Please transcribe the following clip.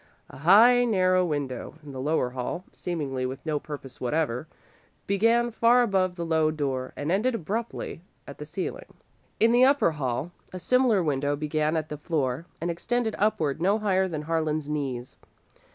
A high, narrow window in the lower hall, seemingly with no purpose whatever, began far above the low door and ended abruptly at the ceiling. In the upper hall, a similar window began at the floor and extended upward no higher than Harlan's knees.